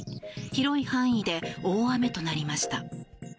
広い範囲で大雨となりました。